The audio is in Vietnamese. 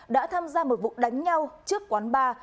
đã tham gia một vụ đánh nhau trước quán bar